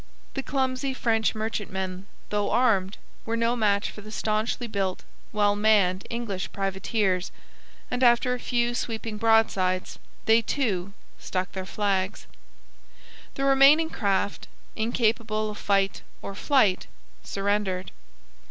The clumsy French merchantmen, though armed, were no match for the staunchly built, well manned English privateers, and after a few sweeping broadsides they, too, struck their flags. The remaining craft, incapable of fight or flight, surrendered.